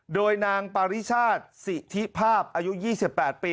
โดยนางปาริชาติสิทธิภาพอายุ๒๘ปี